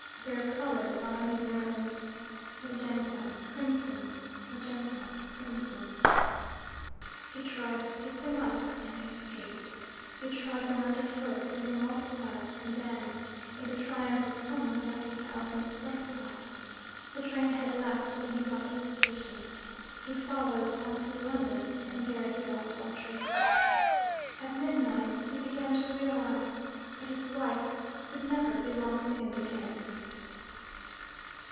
Their colour got on his nerves magenta, crimson; magenta, crimson. He tried to pick them up, and they escaped. He trod them underfoot, and they multiplied and danced in the triumph of summer like a thousand butterflies. The train had left when he got to the station. He followed on to London, and there he lost all traces. At midnight he began to realize that his wife could never belong to him again.